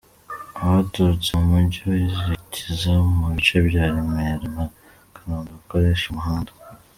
Abaturutse mu mujyi berekeza mu bice bya Remera na Kanombe bakoresha umuhanda:.